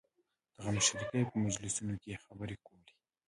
د غمشریکۍ په مجلسونو کې یې خبرې کولې.